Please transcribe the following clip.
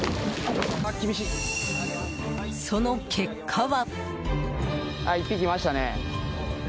その結果は。